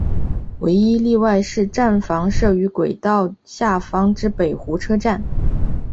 唯一例外是站房设于轨道下方之北湖车站。